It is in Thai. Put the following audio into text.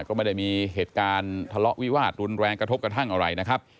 ก็ไม่ได้มีเหตุการณ์ทะเลาะวิวาสรุนแรงกระทบกระทั่งอะไรนะครับ